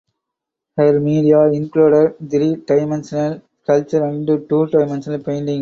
Her media included three dimensional sculpture and two dimensional painting.